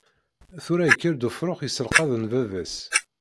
Tura yekker-d ufrux yesselqaḍen baba-s.